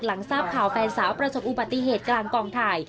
ทราบข่าวแฟนสาวประสบอุบัติเหตุกลางกองถ่าย